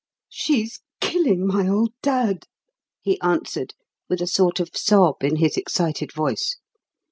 "She's killing my old dad!" he answered, with a sort of sob in his excited voice.